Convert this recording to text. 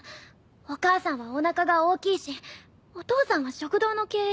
お母さんはおなかが大きいしお父さんは食堂の経営